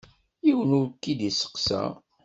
Yiwen ur k-id-isteqsa.